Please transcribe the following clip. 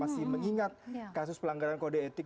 masih mengingat kasus pelanggaran kode etik